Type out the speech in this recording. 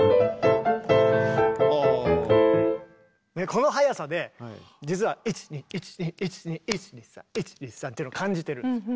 この速さで実は「１２１２１２１２３１２３」っていうのを感じてるんです。